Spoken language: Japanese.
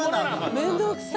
面倒くさい！